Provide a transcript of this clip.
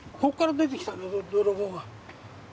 ここから出てきたんだ泥棒が。